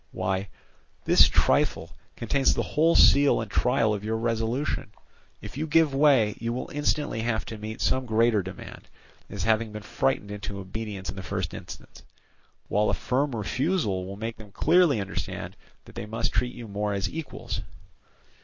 Why, this trifle contains the whole seal and trial of your resolution. If you give way, you will instantly have to meet some greater demand, as having been frightened into obedience in the first instance; while a firm refusal will make them clearly understand that they must treat you more as equals.